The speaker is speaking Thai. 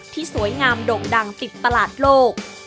ที่สวยงามดกดังติดประหลาดโลก